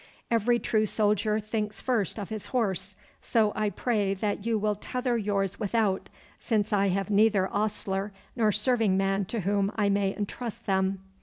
Every true soldier thinks first of his horse, so I pray that you will tether yours without, since I have neither ostler nor serving man to whom I may entrust them.